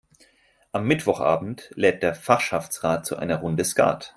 Am Mittwochabend lädt der Fachschaftsrat zu einer Runde Skat.